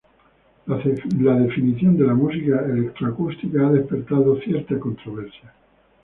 La definición de la música electroacústica ha despertado cierta controversia.